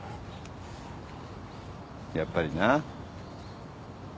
やっぱりな。